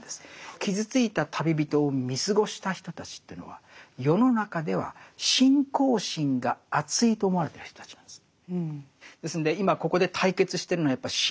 傷ついた旅人を見過ごした人たちというのは世の中では信仰心があついと思われてる人たちなんです。